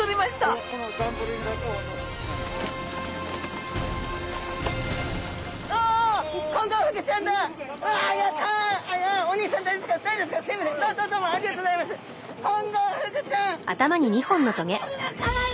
うわこれはかわいい！